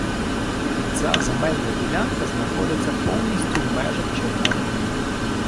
Ця земельна ділянка знаходиться повністю в межах червоних ліній.